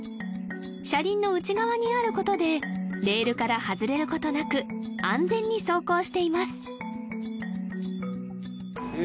車輪の内側にあることでレールから外れることなく安全に走行していますへえ